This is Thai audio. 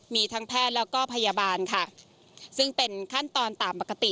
มีทั้งแพทย์แล้วก็พยาบาลค่ะซึ่งเป็นขั้นตอนตามปกติ